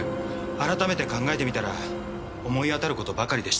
改めて考えてみたら思い当たる事ばかりでした。